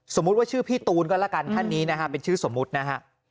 สมมุติว่าชื่อพี่ตูนก็แล้วกันท่านนี้นะฮะเป็นชื่อสมมุตินะฮะ